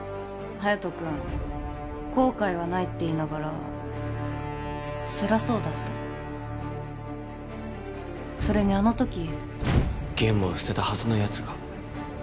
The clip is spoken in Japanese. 隼人君後悔はないって言いながらつらそうだったそれにあの時ゲームを捨てたはずのやつが